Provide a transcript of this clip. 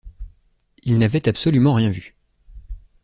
Il n’avait absolument rien vu.